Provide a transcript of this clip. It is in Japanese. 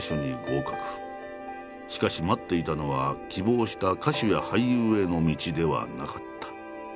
しかし待っていたのは希望した歌手や俳優への道ではなかった。